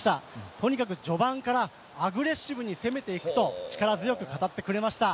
とにかく序盤からアグレッシブに攻めていくと力強く語ってくれました。